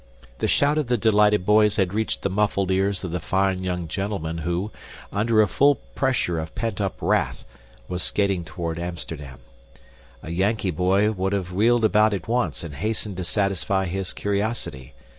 The shout of the delighted boys had reached the muffled ears of the fine young gentleman who, under a full pressure of pent up wrath, was skating toward Amsterdam. A Yankee boy would have wheeled about at once and hastened to satisfy his curiosity.